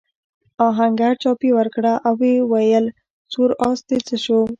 آهنګر چايي ورکړه او وویل سور آس دې څه شو؟